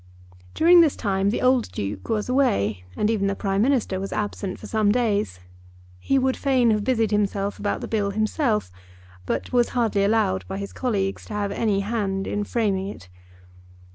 During this time the old Duke was away, and even the Prime Minister was absent for some days. He would fain have busied himself about the Bill himself, but was hardly allowed by his colleagues to have any hand in framing it.